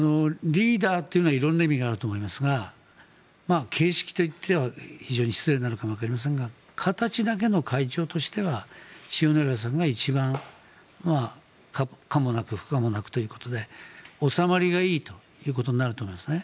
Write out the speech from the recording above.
リーダーというのは色んな意味があると思いますが形式といっては非常に失礼になるかもしれませんが形だけの会長としては塩谷さんが一番可もなく不可もなくということで収まりがいいということになると思いますね。